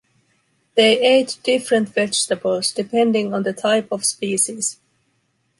They ate different vegetables depending on the type of species.